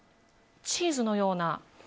チーズのような。